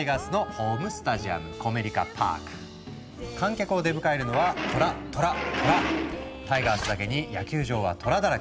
お次は観客を出迎えるのはタイガースだけに野球場は虎だらけ。